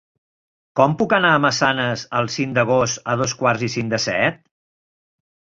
Com puc anar a Massanes el cinc d'agost a dos quarts i cinc de set?